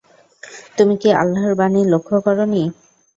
তুমি কি আল্লাহর বাণী লক্ষ্য করনি।